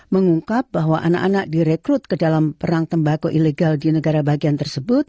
mengungkap bahwa anak anak direkrut ke dalam perang tembako ilegal di negara bagian tersebut